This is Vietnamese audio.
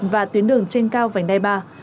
và tuyến đường trên cao vành đai ba